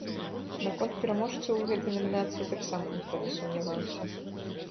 Наконт пераможцаў у гэтай намінацыі таксама ніхто не сумняваўся.